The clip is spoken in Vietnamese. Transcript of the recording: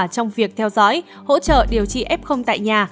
trong việc theo dõi hỗ trợ điều trị f tại nhà